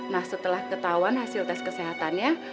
nah setelah ketahuan hasil tes kesehatannya